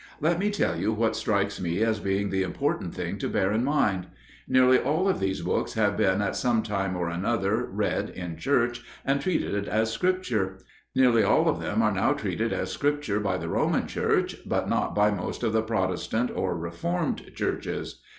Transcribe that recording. Let me tell you what strikes me as being the important thing to bear in mind. Nearly all of these books have been at some time or another read in church and treated as Scripture. Nearly all of them are now treated as Scripture by the Roman Church, but not by most of the Protestant, or Reformed, Churches.